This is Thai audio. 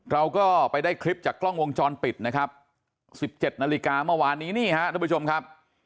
เราก็ไปได้คลิปจากกล้องวงจรปิดนะครับ๑๗นาฬิกาเมื่อวานนี้นี่ฮะทุกผู้ชมครับ